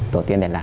tổ tiên đền hạ